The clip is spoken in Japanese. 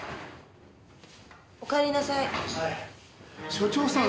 所長さん